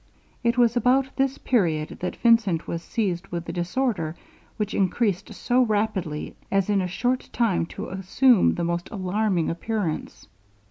It was about this period that Vincent was seized with a disorder which increased so rapidly, as in a short time to assume the most alarming appearance.